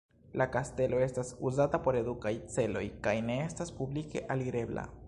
La kastelo estas uzata por edukaj celoj kaj ne estas publike alirebla.